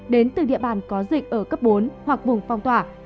đến từ địa bàn có dịch ở cấp bốn hoặc vùng phong tỏa